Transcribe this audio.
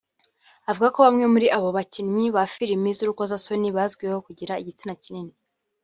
avuga ko bamwe muri abo bakinnyi ba Filimi z’urukozasoni bazwiho kugira igitsina kinini